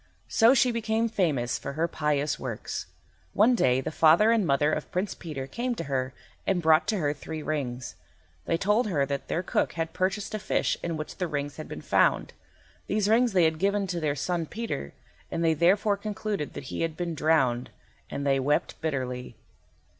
So she became famous for her pious works. One day the father and mother of Prince Peter came to her and brought to her three rings. They told her that their cook had purchased a fish in which the rings had been found. These rings they had given to their son Peter, and they therefore concluded that he had been drowned, and they wept bitterly.